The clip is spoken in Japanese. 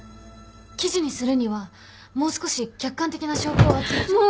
記事にするにはもう少し客観的な証拠を集めて。